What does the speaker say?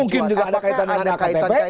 mungkin juga ada kaitan dengan ektp